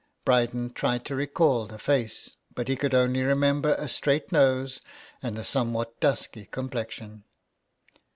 Bryden tried to recall the face, but he could only remember a straight nose, and a somewhat dusky complexion.